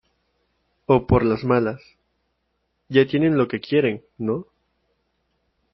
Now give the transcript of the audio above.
o por las malas . ya tienen lo que quieren ,¿ no ?